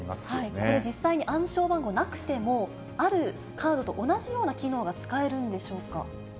これ、実際に暗証番号なくても、あるカードと同じような機能が使えるんでしょうか。